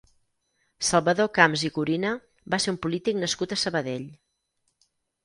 Salvador Camps i Gorina va ser un polític nascut a Sabadell.